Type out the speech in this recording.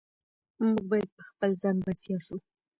موږ باید په خپل ځان بسیا شو.